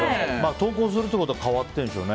投稿するということは変わってるんでしょうね。